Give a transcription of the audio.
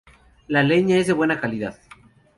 La leña es de buena calidad.